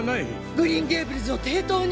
グリーン・ゲイブルズを抵当に！？